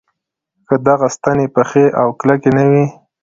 که دغه ستنې پخې او کلکې نه وي.